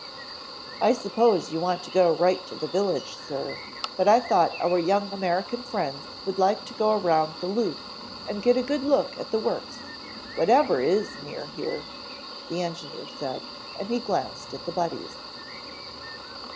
"I suppose you want to go right to the village, sir, but I thought our young American friends would like to go around the loop and get a good look at the works, whatever is near here," the engineer said, and he glanced at the Buddies.